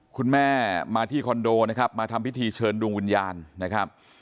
คุณแม่มาที่คอนโดนะครับมาทำพิธีเชิญดวงวิญญาณนะครับ